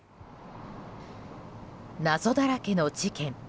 謎だらけの事件。